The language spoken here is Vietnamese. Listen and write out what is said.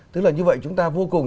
tức là như vậy chúng ta vô cùng